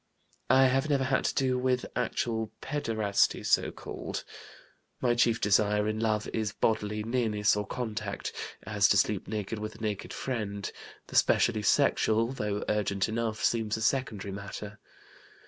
"I have never had to do with actual pederasty, so called. My chief desire in love is bodily nearness or contact, as to sleep naked with a naked friend; the specially sexual, though urgent enough, seems a secondary matter.